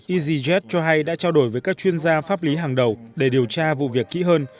egz cho hay đã trao đổi với các chuyên gia pháp lý hàng đầu để điều tra vụ việc kỹ hơn